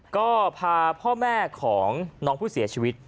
ก็พาพ่อแม่ของน้องผู้เสียชีวิต